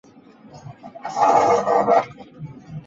微型传说的战斗已经过了十年。